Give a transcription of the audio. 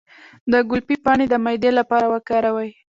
د ګلپي پاڼې د معدې لپاره وکاروئ